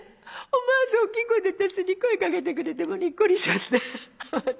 思わず大きい声で私に声かけてくれてもうにっこりしちゃって私。